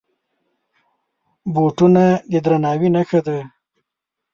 بوټونه د درناوي نښه ده.